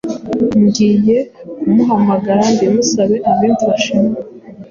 Ngiye kumuhamagara mbimusabe abimfashemo